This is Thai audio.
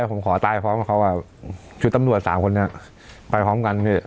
ผมขอตายพร้อมกับเขาว่าชุดตำรวจสามคนนี้ไปพร้อมกันพี่